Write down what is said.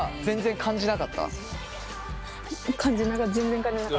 全然感じなかったです。